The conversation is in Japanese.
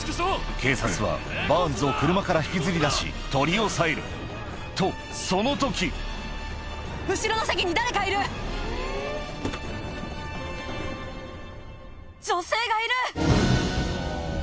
警察はバーンズを車から引きずり出し取り押さえるとその時女性がいる！